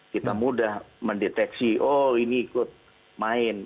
kita mudah mendeteksi oh ini ikut main